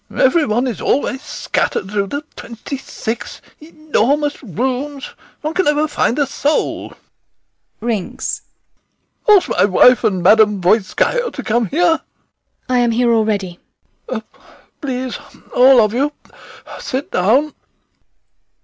Every one is always scattered through the twenty six enormous rooms; one never can find a soul. [Rings] Ask my wife and Madame Voitskaya to come here! HELENA. I am here already. SEREBRAKOFF. Please, all of you, sit down.